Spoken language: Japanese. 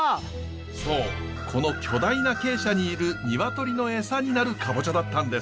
そうこの巨大な鶏舎にいる鶏のエサになるカボチャだったんです。